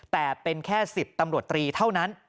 แต่เป็นแค่๑๐ตำรวจตรีเท่านั้น